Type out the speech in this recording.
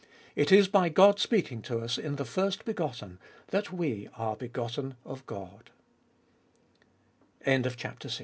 It is by God speaking to us in the First Begotten that we are begotten of Go